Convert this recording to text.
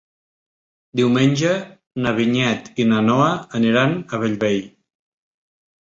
Diumenge na Vinyet i na Noa aniran a Bellvei.